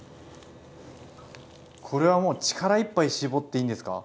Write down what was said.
これはもう力いっぱい絞っていいんですか？